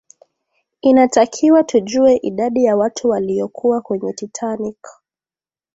inatakiwa tujue idadi ya watu waliyokuwa kwenye titanic